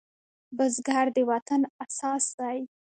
بزګر د وطن اساس دی